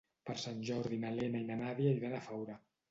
Per Sant Jordi na Lena i na Nàdia iran a Faura.